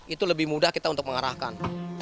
itu lebih mudah kita untuk mengarahkan